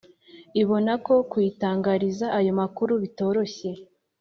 Ibonako kuyitangariza ayo makuru bitoroshye